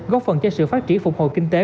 góp phần cho sự phát triển phục hồi kinh tế